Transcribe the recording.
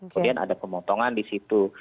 kemudian ada pemotongan di situ